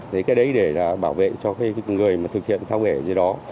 đấy cái đấy để là bảo vệ cho cái người mà thực hiện thao bể ở dưới đó